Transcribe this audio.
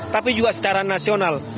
tapi juga secara nasional